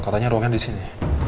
katanya ruangnya disini